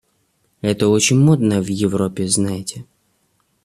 Это очень модно в Европе, знаете.